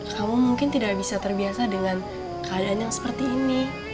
kamu mungkin tidak bisa terbiasa dengan keadaan yang seperti ini